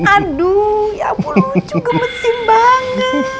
aduh ya ampun lucu gemesin banget